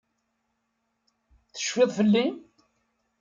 Tecfiḍ fell-i?